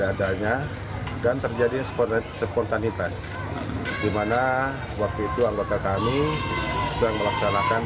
perjalanannya dan terjadi sepuluh sepontanitas dimana waktu itu anggota kami sedang melaksanakan